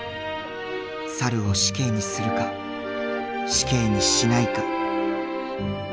猿を死刑にするか死刑にしないか。